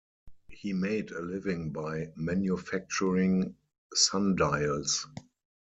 He made a living by manufacturing sundials.